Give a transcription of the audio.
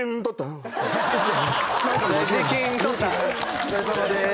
お疲れさまです。